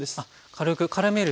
軽くからめる程度。